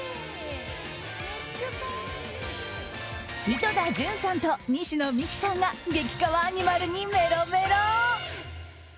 井戸田潤さんと西野未姫さんが激かわアニマルにメロメロ。